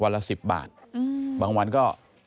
ละ๑๐บาทบางวันก็